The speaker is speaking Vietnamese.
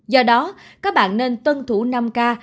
do đó các bạn nên tuân thủ năm k